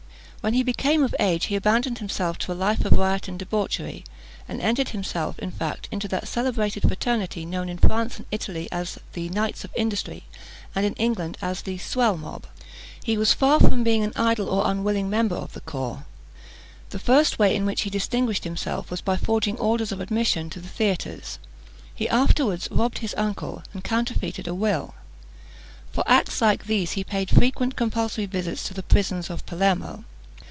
When he became of age, he abandoned himself to a life of riot and debauchery, and entered himself, in fact, into that celebrated fraternity, known in France and Italy as the "Knights of Industry," and in England as the "Swell Mob." He was far from being an idle or unwilling member of the corps. The first way in which he distinguished himself was by forging orders of admission to the theatres. He afterwards robbed his uncle, and counterfeited a will. For acts like these, he paid frequent compulsory visits to the prisons of Palermo.